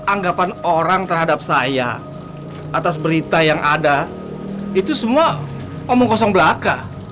anggapan orang terhadap saya atas berita yang ada itu semua omong kosong belaka